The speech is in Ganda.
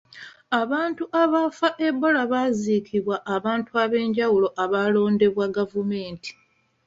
Abantu abaafa Ebola baaziikibwa abantu ab'enjawulo abaalondebwa gavumenti.